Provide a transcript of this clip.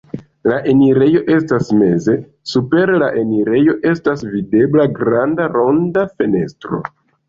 La enirejo estas meze, super la enirejo estas videbla granda ronda fenestro.